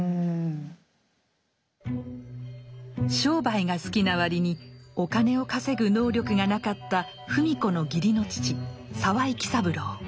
商売が好きな割にお金を稼ぐ能力がなかった芙美子の義理の父沢井喜三郎。